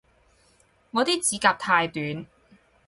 我啲指甲太短